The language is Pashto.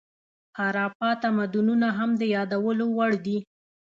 هاراپا تمدنونه هم د یادولو وړ دي.